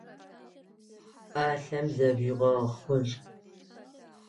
Пӏалъэм зежъугъэхъулӏ!